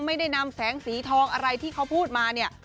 ไม่ได้นำแสงสีทองอะไรที่เขาพูดมาเนี่ย